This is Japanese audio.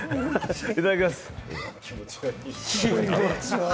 いただきます。